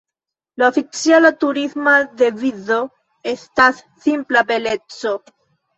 La oficiala turisma devizo estas "Simpla Beleco".